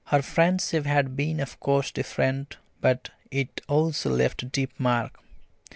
Her friendship had been of course different, but it also left deep mark.